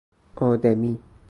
آدمی